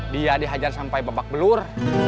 dia dihajar sampai babak belur